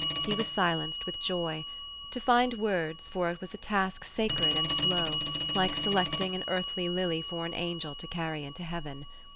He was silenced with joy: to find words for it was a task sacred and slow, like selecting an earthly lily for an angel to carry into heaven.